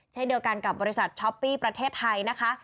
เช่นเดียวกันกับบริษัทช้อปปี้ประเทศไทยนะคะ